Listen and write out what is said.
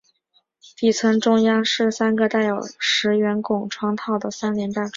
底层中央是三个带有石圆拱窗套的三联大窗。